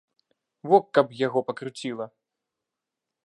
Во, каб яго пакруціла.